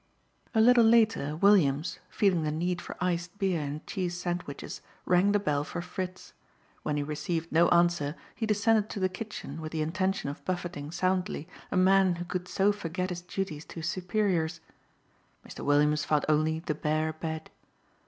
A little later Williams, feeling the need for iced beer and cheese sandwiches, rang the bell for Fritz. When he received no answer he descended to the kitchen with the intention of buffeting soundly a man who could so forget his duties to his superiors. Mr. Williams found only the bare bed.